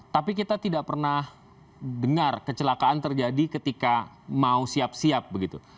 tapi kita tidak pernah dengar kecelakaan terjadi ketika mau siap siap begitu